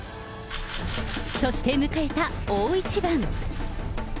そして迎えた大一番。